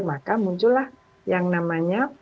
maka muncullah yang namanya